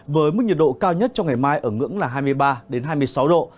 với mức nhiệt độ cao nhất trong ngày mai ở ngưỡng là hai mươi ba hai mươi sáu độ